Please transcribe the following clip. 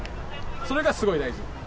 それがすごい大事。